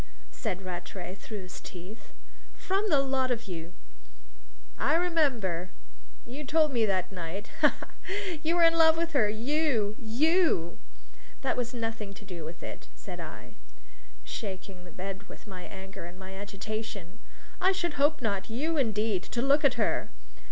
said Rattray, through his teeth. "From the lot of you." "I remember! You told me that night. Ha, ha, ha! You were in love with her you you!" "That has nothing to do with it," said I, shaking the bed with my anger and my agitation. "I should hope not! You, indeed, to look at her!"